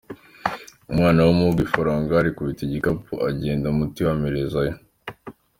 Umwana w’umuhungu ifaranga arikubita igikapu, agenda muti wa mperezayo !